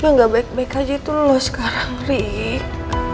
ya gak baik baik aja itu lo sekarang rick